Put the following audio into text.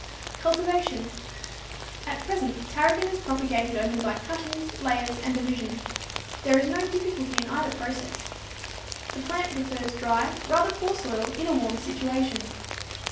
Cultivation. At present tarragon is propagated only by cuttings, layers and division. There is no difficulty in either process. The plant prefers dry, rather poor soil, in a warm situation.